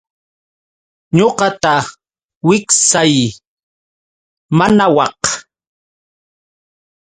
Ñuqata wiksay nanawaq.